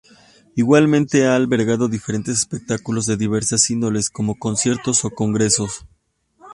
Igualmente ha albergado diferentes espectáculos de diversa índole, como conciertos o congresos.